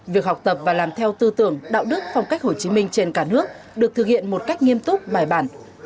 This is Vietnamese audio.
việc học tập và làm theo tư tưởng đạo đức phong cách hồ chí minh trên cả nước được thực hiện một cách nghiêm túc bài bản